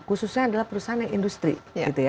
khususnya adalah perusahaan yang industri gitu ya